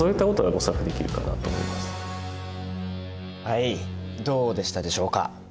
はいどうでしたでしょうか？